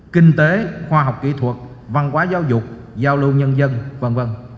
kinh tế khoa học kỹ thuật văn hóa giáo dục giao lưu nhân dân v v